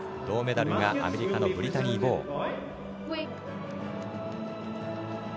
銅メダルがアメリカのブリタニー・ボウ。